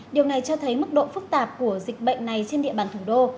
điều này cho thấy mức độ phức tạp của dịch bệnh này trên địa bàn thủ đô